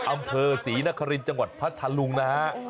อำเภอศรีนครินทร์จังหวัดพัทธลุงนะฮะ